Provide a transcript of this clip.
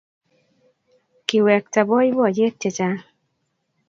Kiwekta boiboiyet chechang